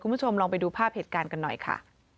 คุณผู้ชมลองไปดูภาพเหตุการณ์กันหน่อยค่ะ